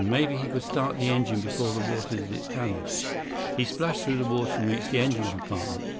Maybe he could start the engine before the water did its damage. He splashed through the water and reached the engine compartment.